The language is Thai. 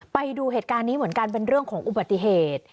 ไปดูเหตุการณ์นี้เหมือนกันเป็นเรื่องของอุบัติเหตุ